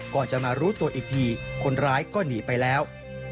ก่อนจะมารู้ตัวอีกทีคนร้ายก็หนีไปแล้ว